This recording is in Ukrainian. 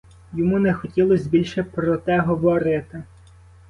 Йому не хотілось більше про те говорити.